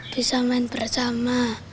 bisa main bersama